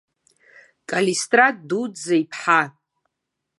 Калистрат дуӡӡа иԥҳа.